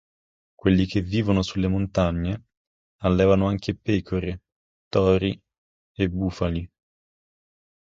Quelli che vivono sulle montagne allevano anche pecore, tori e bufali.